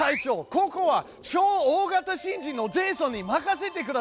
ここはちょう大型新人のジェイソンに任せてください！